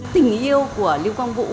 tình yêu của lưu quang vũ